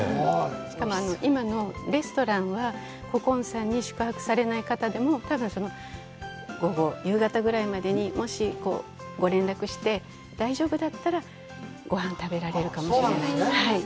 しかも、今のレストランは、古今さんに宿泊されない方でも、多分、午後、夕方ぐらいまでにもしご連絡して、大丈夫だったら、ごはん食べられるかもしれない。